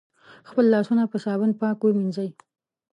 خپل لاسونه په صابون پاک ومېنځی